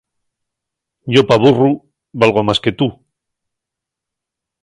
Yo pa burru valgo más que tu.